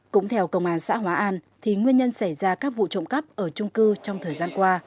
cũng theo công an xã hóa an thì nguyên nhân xảy ra các vụ trộm cắp ở trung cư trong thời gian qua